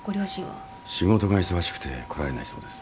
仕事が忙しくて来られないそうです。